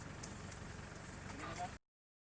อันนี้เป็นอันนี้